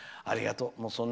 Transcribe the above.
ありがとう。